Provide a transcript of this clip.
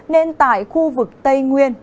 nên tại khu vực tây nguyên